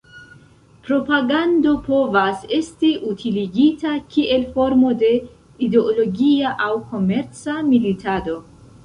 Propagando povas esti utiligita kiel formo de ideologia aŭ komerca militado.